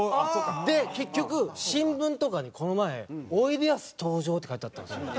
で結局新聞とかにこの前「おいでやす登場」って書いてあったんですよ。